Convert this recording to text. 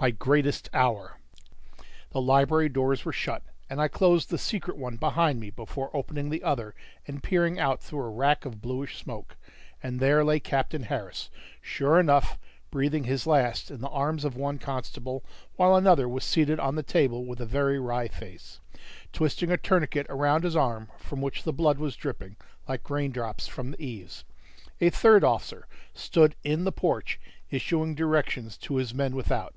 MY GREAT HOUR The library doors were shut, and I closed the secret one behind me before opening the other and peering out through a wrack of bluish smoke; and there lay Captain Harris, sure enough, breathing his last in the arms of one constable, while another was seated on the table with a very wry face, twisting a tourniquet round his arm, from which the blood was dripping like raindrops from the eaves. A third officer stood in the porch, issuing directions to his men without.